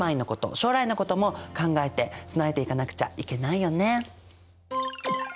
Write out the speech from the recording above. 将来のことも考えて備えていかなくちゃいけないよね。